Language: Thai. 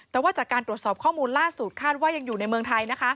แต่ว่าจากการตรวจสอบข้อมูลล่าสุดคาดว่ายังอยู่ในเมืองไทย